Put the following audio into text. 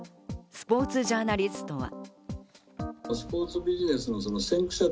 スポーツジャーナリストは。